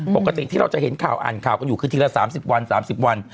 ปกติที่เราจะเห็นข่าวอ่านข่าวกันอยู่คือทีละ๓๐วัน๓๐วัน